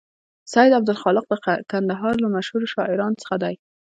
سید عبدالخالق د کندهار له مشهور شاعرانو څخه دی.